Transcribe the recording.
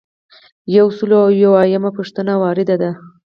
یو سل او یو اویایمه پوښتنه وارده ده.